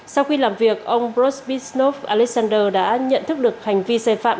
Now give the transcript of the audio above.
sau khi làm việc ông brobisnov alexander đã nhận thức được hành vi xe phạm